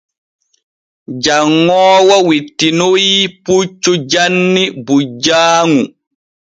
Janŋoowo wittinoy puccu janni bujjaaŋu.